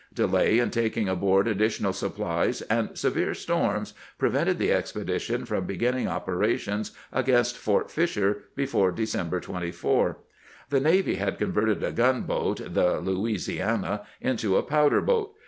Delay in taking aboard additional supplies, and severe storms, prevented the expedition from beginning operations against Fort Fisher before December 24. The navy had converted a gunboat, the Louisiana, into a powder boat.